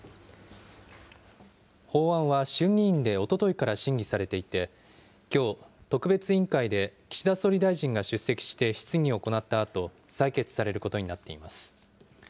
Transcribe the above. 法案は衆議院でおとといから審議されていて、きょう、特別委員会で岸田総理大臣が出席して質疑を行ったあと、採決されることになっています。